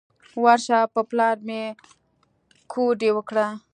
ورشه په پلار مې کوډې وکړه.